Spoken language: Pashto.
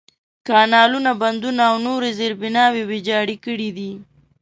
کانالونه، بندونه، او نورې زېربناوې ویجاړې کړي دي.